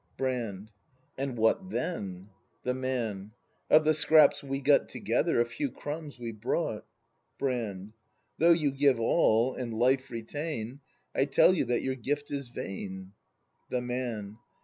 Brand. And what then ? The Man. Of the scraps we got Together, a few crumbs we've brought Brand. Though j^ou give all, and life retain, I tell you that your gift is vain. The Man.